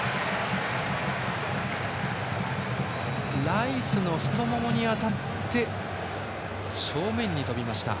ライスの太ももに当たって正面に飛びました。